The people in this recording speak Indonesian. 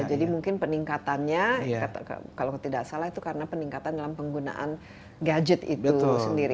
jadi mungkin peningkatannya kalau tidak salah itu karena peningkatan dalam penggunaan gadget itu sendiri